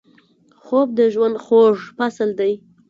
خوب د ژوند خوږ فصل دی